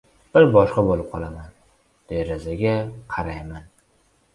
Bir boshqa bo‘lib qolaman. Derazaga qarayman.